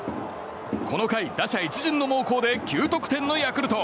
この回、打者一巡の猛攻で９得点のヤクルト。